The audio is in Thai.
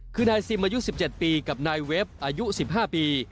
คือนายซิมอายุ๑๗ปีกับนายเว็บอายุ๑๕ปี